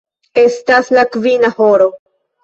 Estas la kvina horo.